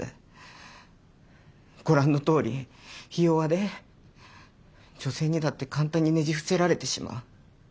ご覧のとおりひ弱で女性にだって簡単にねじ伏せられてしまう。